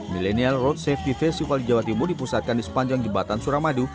millennial road safety festival di jawa timur dipusatkan di sepanjang jembatan suramadu